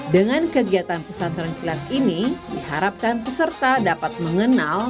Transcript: dengan kegiatan pesantren kilat ini diharapkan peserta dapat mengenal